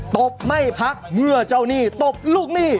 ตบไม่พักเมื่อเจ้าหนี้ตบลูกหนี้